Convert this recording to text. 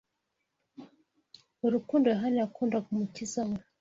Urukundo Yohana yakundaga Umukiza we